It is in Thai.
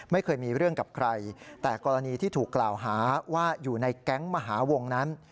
ไม่เคยมีเรื่องกับใครแต่กรณีที่ถูกกล่าวหาว่าอยู่ในแก๊งมหาวงนั้น